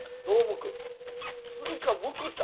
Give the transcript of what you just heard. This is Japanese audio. どうむく？